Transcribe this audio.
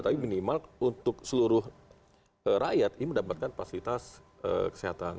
tapi minimal untuk seluruh rakyat ini mendapatkan fasilitas kesehatan